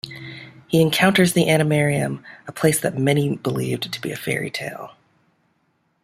He encounters the Animarium, a place that many believed to be a fairy tale.